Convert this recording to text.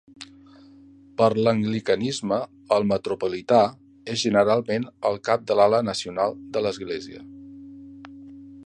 Per a l'anglicanisme, el metropolità és generalment el cap de l'ala nacional de l'església.